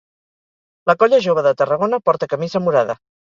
La Colla Jove de Tarragona porta camisa morada.